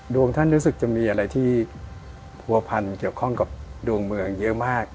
ท่านรู้สึกจะมีอะไรที่ผัวพันเกี่ยวข้องกับดวงเมืองเยอะมาก